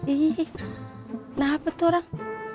ih kenapa tuh orang